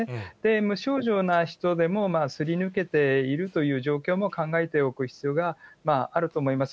無症状な人でもすり抜けているという状況も考えておく必要があると思います。